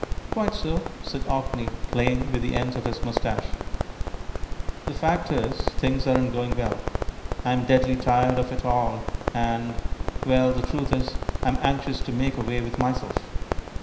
"Quite so," said Orkney, playing with the ends of his moustache. "The fact is, things aren't going well; I'm deadly tired of it all, and Well, the truth is, I'm anxious to make away with myself."